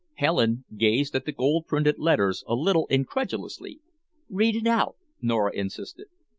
Helen gazed at the gold printed letters a little incredulously. "Read it out," Nora insisted.